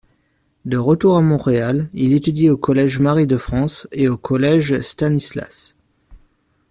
De retour à Montréal, il étudie au Collège Marie-de-France et au Collège Stanislas.